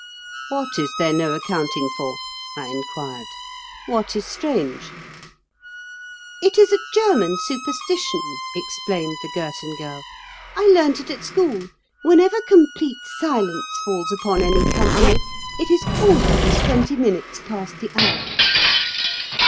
"What is there no accounting for?" I inquired. "What is strange?" "It is a German superstition," explained the Girton Girl, "I learnt it at school. Whenever complete silence falls upon any company, it is always twenty minutes past the hour."